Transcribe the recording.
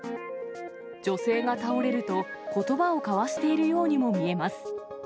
女性が倒れると、ことばを交わしているようにも見えます。